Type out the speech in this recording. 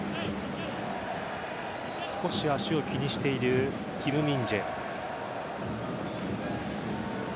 少し足を気にしているキム・ミンジェ。